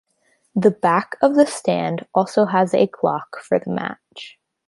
The back of the stand also has a clock for the match.